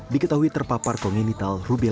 diketahui terpapar kongenital rubella